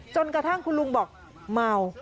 จนกระทั่งคุณลุงบอกเมา